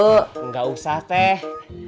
enggak usah teh